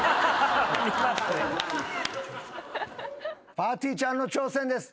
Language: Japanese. ぱーてぃーちゃんの挑戦です。